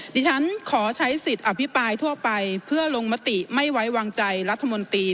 ดิฉันขอใช้สิทธิ์อภิปรายทั่วไปเพื่อลงมติไม่ไว้วางใจรัฐมนตรี